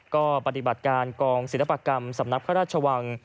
ก็ปฏิบัติการกองศิลปกรรมสำนักพระราชวัง